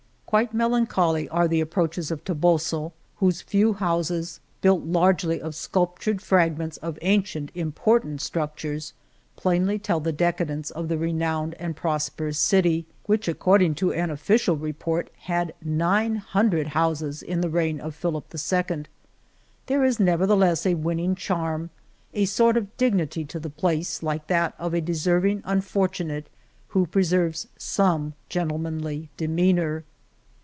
Quite melancholy are the approaches of Toboso, whose few houses, built largely of sculptured fragments of ancient important structures, plainly tell the decadence of the renowned and prosperous city which accord 154 s. I Guardias Civiles Making an Investigation at Toboso. El Toboso ing to an official report had nine hundred houses in the reign of Philip II. There is nevertheless a winning charm, a sort of dig nity to the place like that of a deserving un fortunate who preserves some gentlemanly demeanor.